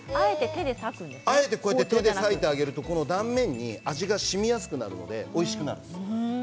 あえて手で割いてあげると断面に味がしみやすくなるのでおいしくなります。